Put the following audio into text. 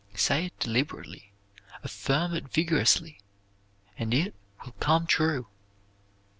Say it deliberately, affirm it vigorously and it will come true.